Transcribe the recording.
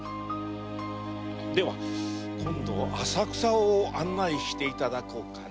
では今度浅草を案内していただこうかな。